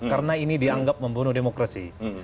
karena ini dianggap membunuh demokrasi